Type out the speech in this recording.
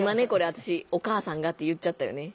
私「お母さんが」って言っちゃったよね。